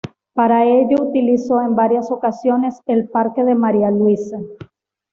Para ello utilizó en varias ocasiones el Parque de María Luisa.